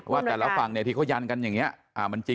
แต่ฟื้นข้างทุกคนยานกันอย่างนี้